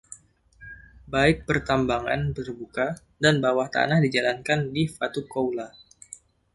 Baik pertambangan terbuka dan bawah tanah dijalankan di Vatukoula.